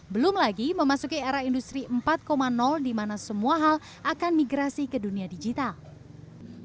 belum lagi memasuki era industri empat di mana semua hal akan migrasi ke dunia digital